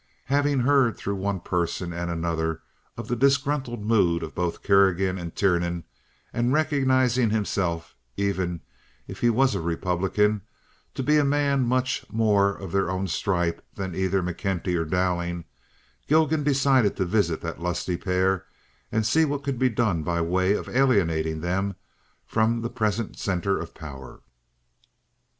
Having heard through one person and another of the disgruntled mood of both Kerrigan and Tiernan, and recognizing himself, even if he was a Republican, to be a man much more of their own stripe than either McKenty or Dowling, Gilgan decided to visit that lusty pair and see what could be done by way of alienating them from the present center of power.